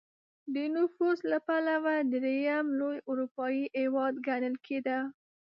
د نفوس له پلوه درېیم لوی اروپايي هېواد ګڼل کېده.